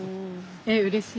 えっうれしい。